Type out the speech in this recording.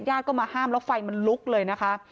ก็มาห้ามแล้วไฟมันลุกเลยนะคะ